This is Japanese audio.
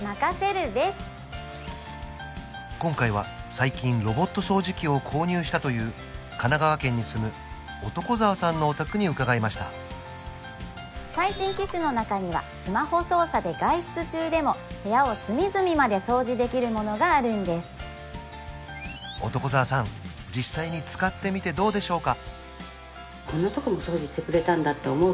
今回は最近ロボット掃除機を購入したという神奈川県に住む男澤さんのお宅に伺いました最新機種の中にはスマホ操作で外出中でも部屋を隅々まで掃除できるものがあるんです男澤さん実際に使ってみてどうでしょうか？